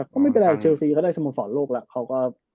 ก็ไม่เป็นไรเชลซีได้สโมสรโลกแล้ว